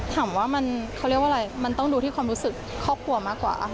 ถามว่าเขาเรียกว่าอะไรมันต้องดูที่ความรู้สึกครอบครัวมากกว่า